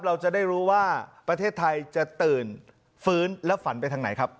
เราจะได้รู้ว่าประเทศไทยจะตื่นฟื้นและฝันไปทางไหนครับ